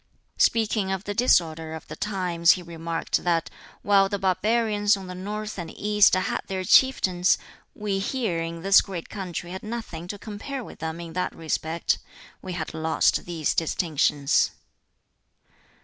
Speaking of the disorder of the times he remarked that while the barbarians on the North and East had their Chieftains, we here in this great country had nothing to compare with them in that respect: we had lost these distinctions!